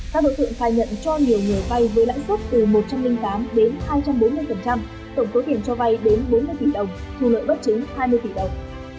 các đối tượng khai nhận cho nhiều người vay với lãi suất từ một trăm linh tám đến hai trăm bốn mươi tổng số tiền cho vay đến bốn mươi tỷ đồng thu lợi bất chính hai mươi tỷ đồng